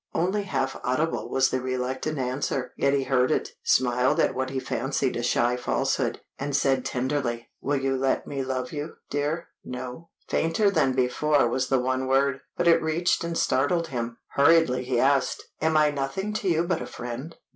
Only half audible was the reluctant answer, yet he heard it, smiled at what he fancied a shy falsehood, and said tenderly "Will you let me love you, dear?" "No." Fainter than before was the one word, but it reached and startled him. Hurriedly he asked "Am I nothing to you but a friend?"